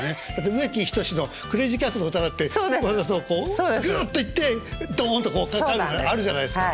植木等のクレージーキャッツの歌だってわざとこうグッといってドンとこうなるのあるじゃないですか。